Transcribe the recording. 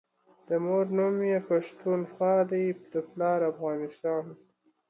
دمور نوم يی پښتونخوا دی دپلار افغانستان